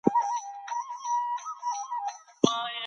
کابل او کندهار به د شاه شجاع لخوا فتح شي.